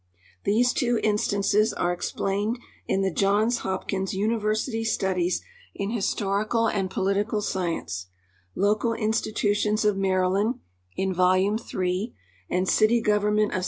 These two instances are exi)lained in the Johns Hopkins University studies in liistorical and political science — Local In stitutions of ^Maryland, in volume 3, and City Government of.